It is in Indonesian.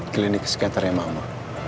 klinik sekitarnya mama